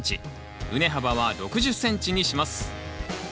畝幅は６０ｃｍにします。